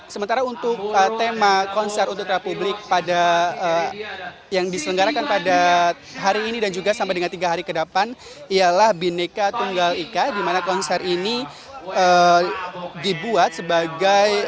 sementara untuk tema konser untuk republik yang diselenggarakan pada hari ini dan juga sampai dengan tiga hari ke depan ialah bineka tunggal ika